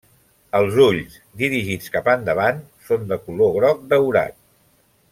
Els ulls, dirigits cap endavant, són de color groc daurat.